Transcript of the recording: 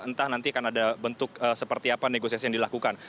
entah nanti akan ada bentuk seperti apa negosiasi yang dilakukan